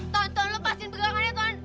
tuan tolong lepaskan pergerakannya tolong